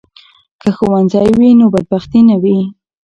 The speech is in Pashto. که ښوونځی وي نو بدبختي نه وي.